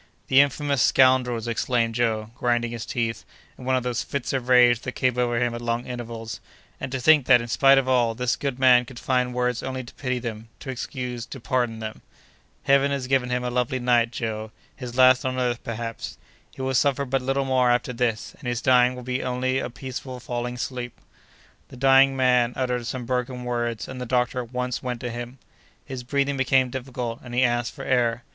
"The infamous scoundrels!" exclaimed Joe, grinding his teeth, in one of those fits of rage that came over him at long intervals; "and to think that, in spite of all, this good man could find words only to pity them, to excuse, to pardon them!" "Heaven has given him a lovely night, Joe—his last on earth, perhaps! He will suffer but little more after this, and his dying will be only a peaceful falling asleep." The dying man uttered some broken words, and the doctor at once went to him. His breathing became difficult, and he asked for air.